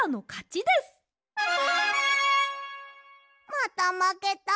またまけた！